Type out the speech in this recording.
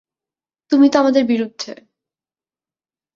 তুমি তো আমাদের বিরুদ্ধে।